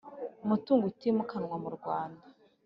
mutungo utimukanwa mu Rwanda